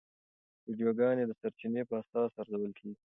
ویډیوګانې د سرچینې په اساس ارزول کېږي.